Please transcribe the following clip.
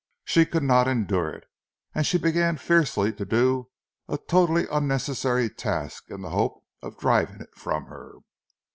She could not endure it, and she began fiercely to do a totally unnecessary task in the hope of driving it from her.